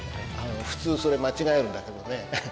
普通それ間違えるんだけどね。